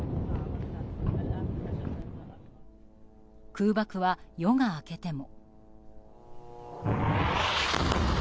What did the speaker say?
空爆は夜が明けても。